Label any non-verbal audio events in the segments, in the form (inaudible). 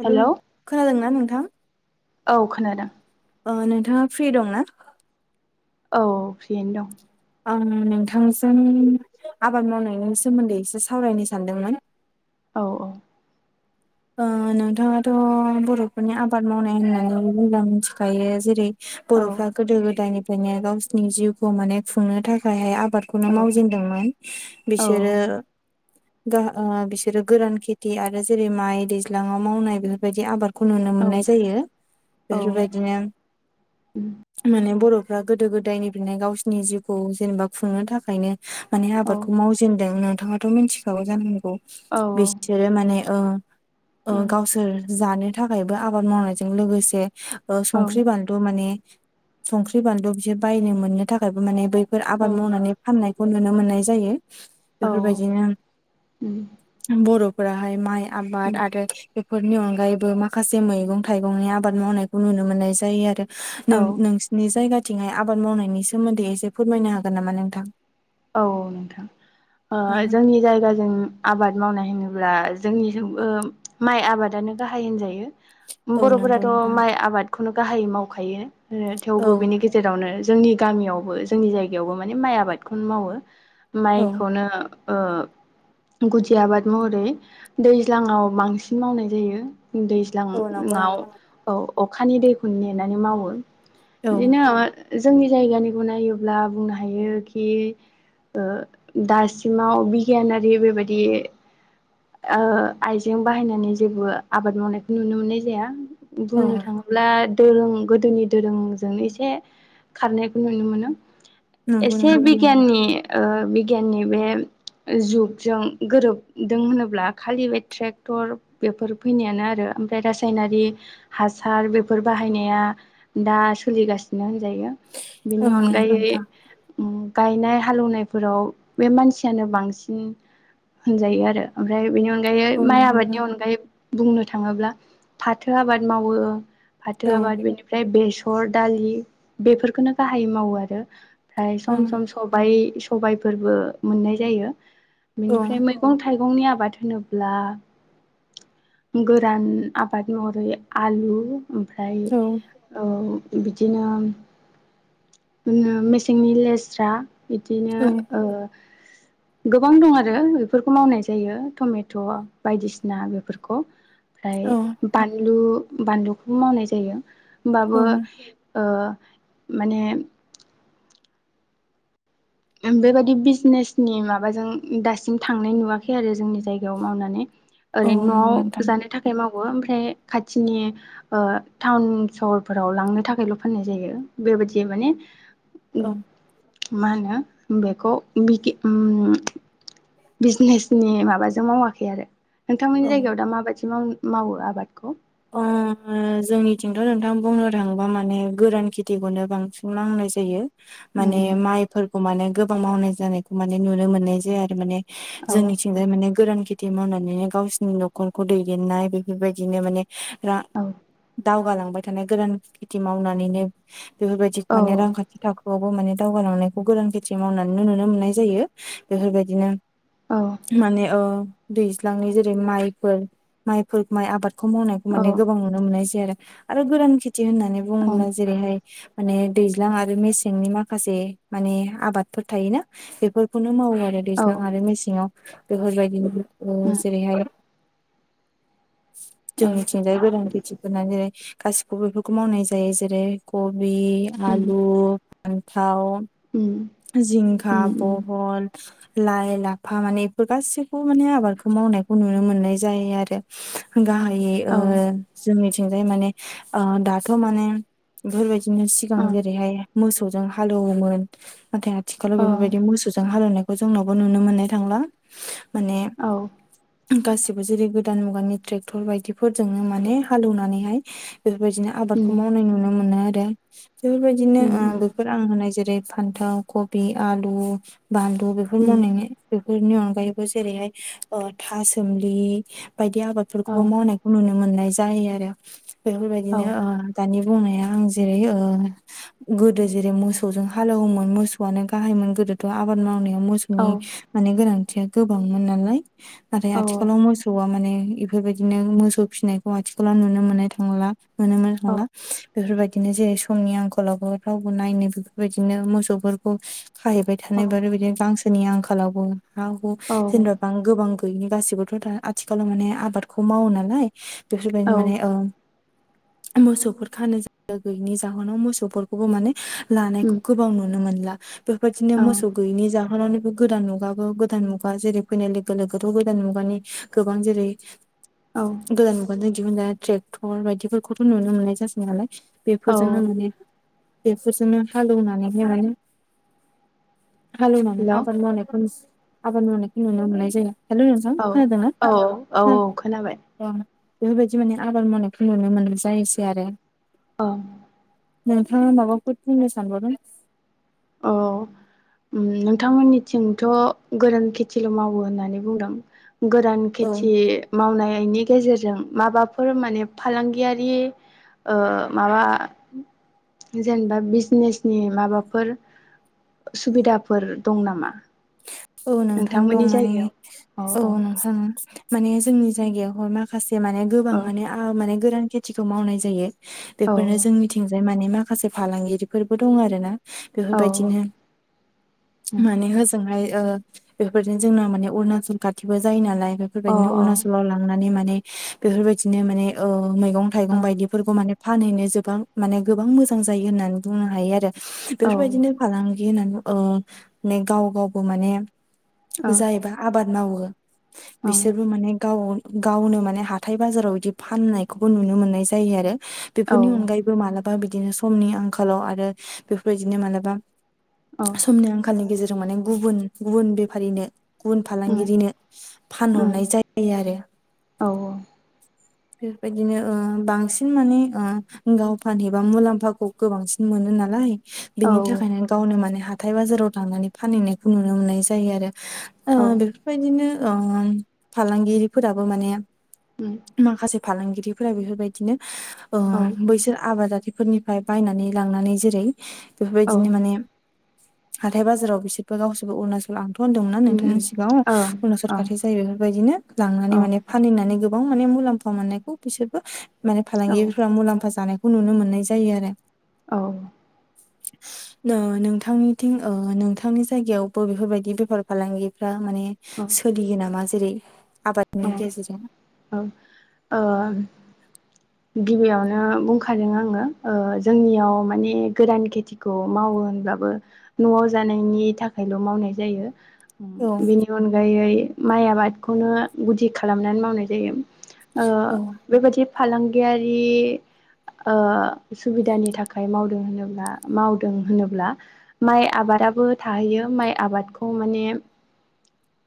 Hello नों खोनादोंना नोंथां औ खोनादों औ नोंथाङा फ्रि दं ना? औ औ फ्रियैनो दं आं नोंथांजों आबाद मावनायाव सोमोन्दै एसे सावरायनो सानदोंमोन। औ औ अ नोंथाङाथ' बर'फोरनि आबाद मावनाय होननायाव मोजां मिथिखायो जेरै औ बर'फ्रा गोदो गोदायनिफ्रायनो गावसिनि जिउखौ माने खुंनो थाखायहाय आ आबादखौनो औ मावजेनदोंमोन बिसोरो औ ओ आ बिसोरो गोरान खेथि आरो जेरै माइ दैज्लाङाव मावनाय बेफोरबायदि आबाद खौ नुनो औ मोननाय जायो औ बेफोरबायदिनो माने बर'फ्रा गोदो गोदाय गोदायनिफ्रायनो गावसिनि जिउखौ जेनेबा खुंनो थाखायनो माने औ आबादखौ मावजेनदोंमोन नोंथाङाथ' मिथिखागौ जानांगौ बिसोरो माने ओ ओ गावसोर जानो थाखायबो आबाद मावनायजों लोगोसे ओ संख्रि बानलु माने संख्रि बानलु बिसोर बायनो मोननो थाखायबो माने बे बेफोर आबाद मावनानै फाननायखौ नुनो मोननाय जायो। औ बेफोरबायदिनो बर'फोराहाय माइ आबाद आर बेफोरनि अनगायैबो माखासे मैगं थाइगंनि आबाद मावनायखौ नुनो मोननाय जायो आरो। औ नों-नोंसिनि जायगाथिंहाय आबाद मावनायनि सोमोन्दै एसे फोरमायनो हागोन नामा नोंथां? औ औ नोंथां अ जोंनि जायगाजों आबाद मावनाय होनो। अब्ला जोंनिजोंबो माइ आबादानो गाहाय होनजायो। औ नंगौ बर'फोराथ' नोंथां। माइ आबादखौनो गाहायै मावखायो औ थेवबो बिनि गेजेरावनो जोंनि गामियावबो जोंनि जायगायावबो माने माइ आबादखौनो मावो औ माइखौनो ओ गुदि आबाद महरै दैज्लाङाव बांसिन मावनाय जायो। औ नंगौ दैज्लाङाव नोंथां। औ अखानि दैखौनो नेनानै मावो। औ बेनि उनावहाय जोंनि जायगानिखौ नायोब्ला बुंनो हायो। ओ दासिमाव बिगियानारि बेबायदि ओ आइजें बाहायनानै जेबो आबाद मावनायखौ नुनो मोननाय जाया औ बुंनो थाङोब्ला दोरों गोदोनि दोरोंजोंनो एसे खारनायखौ नुनो मोनो नंगौ एसे नोंथां नंगौ बिगियाननि ओ बिगियाननि बे जुगजों गोरोबदों होनोब्ला खालि बे ट्रेक्टर बेफोर फैनायानो आरो ओमफ्राय रासायनारि हासार बेफोर बाहायनाया दा सोलिगासिनो । जायो औ बिनि नंगौ अनगायै नोंथां उम गायनाय हालौनायफोराव बे मानसियानो बांसिन होनजायो आरो ओमफ्राय बेनि उन अनगायै औ माइ नंगौ आबादनि नोंथां अनगायै बुंनो थाङोब्ला फाथो आबाद मावो । फाथो औ आबाद बेनिफ्राय बेसर दालि बेफोरखौनो गाहायै मावो आरो । ओमफाय सम सम औ सबाइ सबायफोरबो मोननाय जायो औ बिनिफ्राय मैगं थाइ गंनि आबाद होनोब्ला गोरान आबाद महरै आलु ओमफ्राय ओ बिदिनो मे सिंनि लेस्रा बिदिनो ओ (inaudible) गोबां दं आरो बेफोरखौ मावनाय जायो टमेट' बायदिसिना बेफोरखौ ओमफ्राय बानलु बानलुखौ मावनाय जायो औ ओमबाबो । ओ माने बेबायदि बिजनेसनि माबाजों दासिम थांनाय नुवाखै आरो जोंनि जायगायाव मावनानै । औ ओरैनो नंगौ न'आव नोंथां जानो थाखाय माव वो ओमफ्राय खाथिनि ओ टाउन सहरफोराव लांनो थाखायल' फाननाय जायो । बेबादि माने औ मा होनो बेखौ बि उम बिजनेसनि माबाजों मावाखै आरो नोंथांमोननि औ जायगायाव दा माबायदि माव मावो आबादखौ? ओ जोंनिथिंथ' नोंथां बुंनो थाङोबा माने गोरान खेथिखौनो बांसिन मावनाय जायो माने उम माइफोरखौ माने गोबां मावनाय जानायखौ माने नुनो मोननाय जाया आरो माने औ जोंनिथिंजाय माने गोरान खेथि मावनानैनो गावसोरनि न'खरखौ दैदेननाय बेफोरबायदिनो माने रा औ दावगालांबाय थानाय गोदान खेथि मावनानैनो बेफोरबायदि माने औ रांखान्थि थाखो वबो माने दावगालांनायखौ गोरान खेथि मावनानै नुनो मोननाय जायो । बेफोरबायदिनो औ माने ओ दैज्लांनि जेरै माइफोर माइफोर माइ आबादखौ माव माने औ गोबां नुनो मोननाय जायो आरो आरो गोरान खेथि होननानै औ बुङोब्ला जेरैहाय माने दैज्लां आरो मेसेंनि माखासे माने आबादफोर थायोना बेफोरखौनो मावो आरो औ दैज्लां आरो मेसेङाव बेफोरबायदि ओ उम जेरैहाय औ जोंनिथिंजाय गोरान खेथिफोरा जेरै गासिखौबो बेफोरखौ मावनाय जायो जेरै- क बि, उम आलु, फान्थाव, उम जिंखा, उम उम बहल, लाय, लाफा माने बेफोर गासैखौबो माने आबादखौ मावनायखौ नुनो मोननाय जायो आरो गाहाय ओ औ जोंनिथिंजाय माने दाथ' माने बेफोरबायदिनो सिगां ओ जेरैहाय मोसौजों हालौवोमोन नाथाय आथिखालाव बेफोरबायदि औ मोसौ जों हालवनायखौ जोंनावबो नुनो मोननाय थांला माने औ गासिबो जेरै गोदान मुगानि ट्रेक्टर बायदि फोरजोंनो माने हालेौनानैहाय बेफोरबायदिनो उम आबादखौ मावनाय नुनो मोनो आरो । बेफोरबायदिनो उम ओ उम बेफोर आं होनाय जेरै फान्थाव कबि आलु बानलु बेफोर उम मावनाय बेफोरनि अनगायैबो जेरैहाय ओ थासोमलि बायदि औ आबादफोरखौबो मावनायखौ नुनो मोननाय जायो आरो औ बेफोरबायदिनो ओ दानि बुंनाया आं जेरै ओ गोदो जेरै मोसौजों हालौवोमोन मोसौआनो गाहाय मोन गोदोथ' आबाद मावनायाव मोसौनि औ माने गोनांथि या गोबांमोन नालाय नाथाय औ आथिखालाव मोसौ मानज बेफोरबायदिनो मो सौ फिनायखौ आथिखालाव नुनो मोनो थांला नुनो मोनो थांलाय बेफोरबायदिनो जेरै समनि आंखलावबो रावबो नायनो बेफोरबायदिनो मोसौफोरखौ खाहैबाय थानायब बिदिनो गांसोनि आंखालावबो हा हु औ जेनेबा बां गोबां गैयनि गासैबोथ' दा आथिखालाव माने आबादखौ मावो नालाय बेफोरबायदि माने अ' मोसौफोर खानो जायगा गैयिनि जाहोनाव मोसौफोरखौबो माने उम लानायखौ गोबां नुनो मोनला बेबायदिनो औ मोसौ गैयिनि जाहोनावनिबो गोदान मुगाबो गोदान मुगा जेरै फैनाय लोगो लोगोथ' गोदान मुगानि गोबां जेरै औ (inaudible) गोदान मुगाजों दिहुन जानाय ट्रेक्टर बायदिफोरखौथ' नुनो मोननाय जासै नालाय बेफोरजोंनो औ माने बेफोरजोंनो हालौवनानै जोङो हालेवनानै हेलौ आबाद मावनायखौ आबाद मावनायखौ नुनो मोननाय जायो । हेल' नोंथां औ औ औ खोनादोंना खोनाबाय अ बेफोरबायदि माने आबाद मावनायखौ नुनो मोन जायोसै आरो औ नोंथाङा माबाफोर बुंनो सानबावगोन औ नोंथांमोननिथिंथ' गोरान खेथिल' मावो होननानै बुंदों गोरान औ खेथि मावनायनि गेजेरजों जों माबाफोर माने फालांगियारि माबा जेनेबा बिजनेसनि माबाफोर सुबिदाफोर दं नामा औ नोंथां दं नोंथांमोननि माने जायगायाव औ नोंथां माने जोंनि जायगायावहाय माखासे माने गोबां माने गोरान खेथिखौ मावनाय जायो औ बेफोरनो जोंनिथिंजाय माने माखासे फालांगिरिफोरबो दं आरो ना औ बेफोरबायदिनो माने होजोंहाय ओ बेफोरबायदिनो जोंना माने अरुणाचल खाथिबो जायो नालाय औ बेफोरबायदिनो अरुणाचलाव लांनानै माने बेफोरबायदिनो माने ओ मैगं थाइगं औ बायदिफोरखौ माने फानहैनो गोबां माने गोबां मोजां जायो होननानै बुंनो हायो आरो औ बेफोरबायदिनो फालांगि होननानै ओ गाव गावबो माने जायोबा आबाद मावो बिसोरबो माने गाव गावनो माने हाथाय बाजाराव बिदि फाननायखौबो नुनो मोननाय जायो आरो औ बेफोरनि अनगायैबो मालाबा बिदिनो समनि आंखालाव आरो बेफोरबायदिनो मालाबा औ समनि आंखालनि गेजेरजों माने गुबुन गुबुन बेफारिनो गुबुन उम फालांगिरिनो उम फानहरनाय जायो आरो औ बेफोरबायदिनो ओ बांसिन माने ओ गाव फान एबा मुलाम्फाखौ गोबांसिन मोनो नालाय औ बेनि थाखायनो गावनो माने हाथाय बाजाराव थांनानै फानहैनायखौ नुनो मोननाय जायो आरो ओ औ बेफोरबायदिनो फालांगिरिफोराबो माने उम माखासे फालांगिरिफोरा बेफोरबायदिनो औ बैसोर आबादारि फोरनिफ्राय बायनानै लांनानै जेरै औ बेफोरबायदिनो माने हाथाय बाजाराव बिसोर बे गावसबो अरुणचल आं दंना नोंथांनि उम सिगाङाव उम उनावसर ओं खाथि जायो बेफोरबायदिनो लांनानै ओं माने फानहैनानै गोबां माने मुलाम्फा मोननायखौ बिसोरबो माने औ फालांगिफ मुलाम्फा जानायखौ नुनो मोननाय जायो आरो औ नोंथांनिथिं ओ नोंथांनि जायगायावबो बेफोरबायदि बेफार फालांगिफ्रा माने औ सोलियो नामा जेरै आबादनि गेजेरजों औ औ । गिबियावनो बुंखादों आङो ओ जोंनियाव माने गोरान खेथिखौ माव ओ होनब्लाबो न'आव जानायनि थाखायल' मावनाय जायो औ बेनि अनगायै माइ आबादखौनो गुदि खालामनानै मावनाय जायो ओ औ बेबायदि फालांगियारि ओ सुबिदानि थाखाय मावदों होनोब्ला मावदों होनोब्ला माइ आबाद आबो थाहैयो माइ आबादखौ माने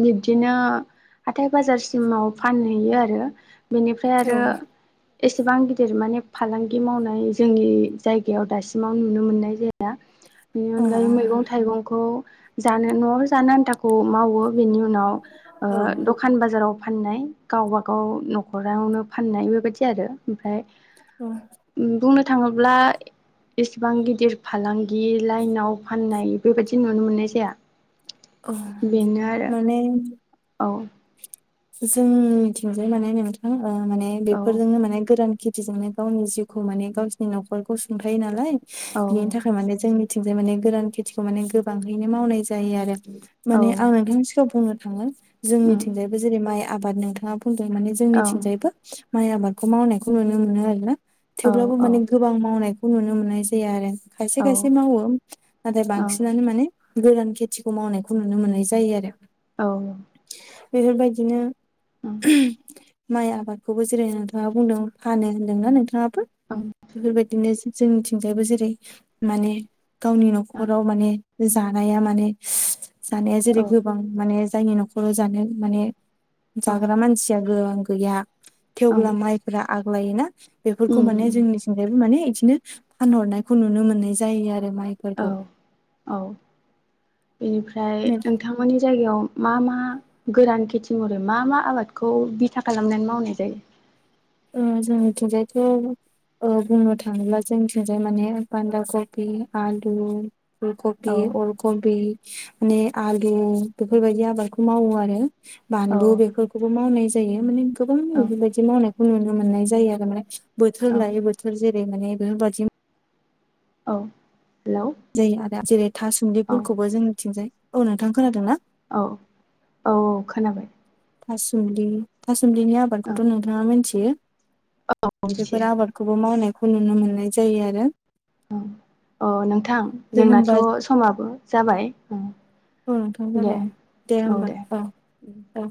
बिब्दिनो हाथाय बाजारसिमाव फान आरो बेनिफ्राय औ आरो एसेबां गिदिर माने फालांगि मावनाय जोंनि जायगायाव दासिमाव नुनो मोननाय जाया बेनि अ अनगायै मैगं थाइगंखौ जानो न'आव जानो आन्थाखौ मावो बेनि उनाव ओ औ दखान बाजाराव फाननाय गावबा गाव न'खरावनो फाननाय बेबायदि आरो ओमफ्राय बुंनो थाङोब्ला इसेबां गिदिर फालांगि लाइनाव फाननाय बेबायदि नुनो मोननाय जाया औ बेनो आरो औ जों थिंजाय माने नोंथां माने औ बेफोरजोंनो माने गोरान खि थि जोंनो गावनि जिउखौ माने गावसोरनि न'खरखौ सुंथायो नालाय बिनि औ थाखाय माने जोंनि थिंजाय माने गोरान खेथिखौ माने गोबांयैनो मावनाय जायो आरो माने औ आं नोंथांनि सिगाङाव बुंनो थाङो औ जोंनिथिंजायबो जेरै माइ आबाद नोंथाङा बुंदों माने जोंनिथिंजायबो माइ आबादखौ मावनायखौ नुनो मोनो आरो ना थेवब्लाबो माने गोबां मावनायखौ नुनो मोननाय जाया आरो। औ खायसे खायसे मावो नाथाय औ बांसिनानो माने गोदान खेथिखौ मावनायखौ नुनो मोननाय जायो आरो। औ बेफोरबायदिनो माइ आबादखौबो जेरै नोंथाङा बुंदों फानो होनदोंना नोंथाङाबो बेफोरबायदिनो जोंनिथिंजायबो जेरै माने गावनि न'खराव माने जानाया माने जानाया जेरै गोबां माने जायनि न'खराव जानो माने जाग्रा मानसिया गोबां गैया थेवब्ला माइफोरा आग्लायोना बेफोरखौ माने जोंनिथिंजायबो माने बिदिनो फानहरनायखौ नुनो मोननाय जायो आरो। माइफोरखौ ओमफ्राय नोंथांमोननि जायगायाव मा मा गोरान खेथि महरै मा मा आबादखौ बिथा खालामनानै मावनाय जायो? ओ जोंनि थिंजायथ' ओ बुंनो थाङोब्ला जोंनिथिंजाय माने बान्दा कफि, आलु औ फुलकबि, अल कबि, माने आलु बेफोरबायदि आबादखौ मावो आरो। औ बानलु बेफोरखौबो मावनाय जायो माने गोबां औ मावो बेबायदि मावनाय खौ नुनो मोननाय जायो आरो माने बोथोर औ लायै बोथोर जेरै माने बेफोरबायदि औ हेलौ जायो आरो दा जेरै औ थासुमलिफोरखौबो जोंनिथिंजाय औ नोंथां खोनादों ना? औ औ औ खोनाबाय थासुमलि थासुमलिनि औ आबादखौथ' नोंथाङा मिथियो मिथियो बेफोर आबादखौबो मावनायखौ नुनो मोननाय जायो आरो अ नोंथां दे जोंनाथ' होमबा समाबो जाबाय उम नोंथां दे जाबायानो दे होमबा औ औ